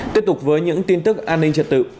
tiếp tục với những tin tức an ninh trật tự